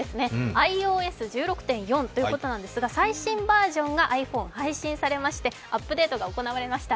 「ｉＯＳ１６．４」ということなんですが最新バージョンが配信されましてアップデートがされました。